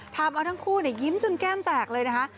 ทำเอาทั้งคู่ยิ้มจนแก้มแตกเลยนะคะ